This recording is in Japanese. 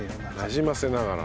なじませながら。